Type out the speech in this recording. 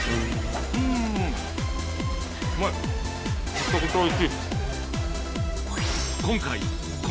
めちゃくちゃおいしい。